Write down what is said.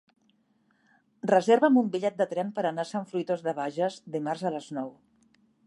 Reserva'm un bitllet de tren per anar a Sant Fruitós de Bages dimarts a les nou.